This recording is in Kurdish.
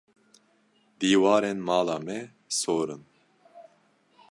Dîwarên mala me sor in.